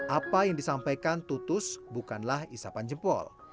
apa yang disampaikan tutus bukanlah isapan jempol